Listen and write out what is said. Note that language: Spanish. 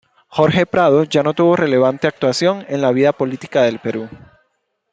Jorge Prado ya no tuvo relevante actuación en la vida política del Perú.